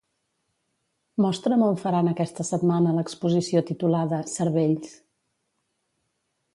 Mostra'm on faran aquesta setmana l'exposició titulada "Cervells".